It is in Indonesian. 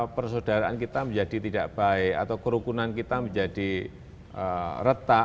persaudaraan kita menjadi tidak baik atau kerukunan kita menjadi retak